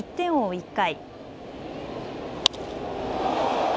１回。